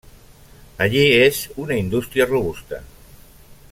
Allí, és una indústria robusta.